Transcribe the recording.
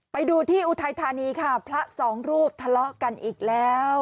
ไปดูที่อุทัยธานีค่ะพระสองรูปทะเลาะกันอีกแล้ว